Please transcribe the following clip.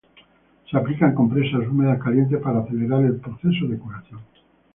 Se aplican compresas húmedas calientes para acelerar el proceso de curación.